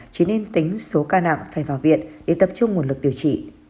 chỉ nên tính số ca nặng phải vào viện để tập trung nguồn lực điều trị